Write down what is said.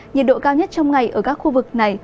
nhiệt độ cao nhất trong ngày ở các khu vực này